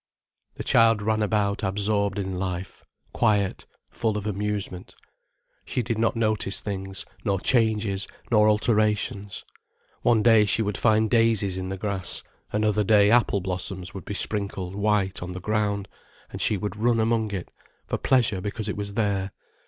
The child ran about absorbed in life, quiet, full of amusement. She did not notice things, nor changes nor alterations. One day she would find daisies in the grass, another day, apple blossoms would be sprinkled white on the ground, and she would run among it, for pleasure because it was there.